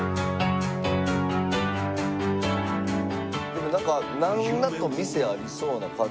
でもなんか店ありそうな感じ。